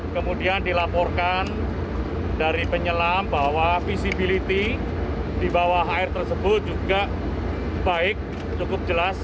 kemudian dilaporkan dari penyelam bahwa visibility di bawah air tersebut juga baik cukup jelas